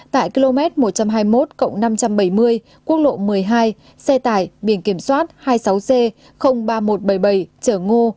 tại km một trăm hai mươi một năm trăm bảy mươi quốc lộ một mươi hai xe tải biển kiểm soát hai mươi sáu c ba nghìn một trăm bảy mươi bảy chở ngô